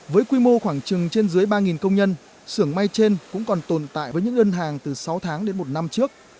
với quy mô khoảng trừng trên dưới ba công nhân xưởng may trên cũng còn tồn tại với những ngân hàng từ sáu tháng đến một năm trước